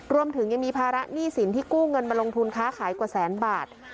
รวมถึงยังมีภาระหนี้สินที่กู้เงินมาลงทุนค้าขายกว่าแสนบาท